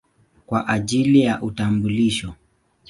kwa ajili ya utambulisho.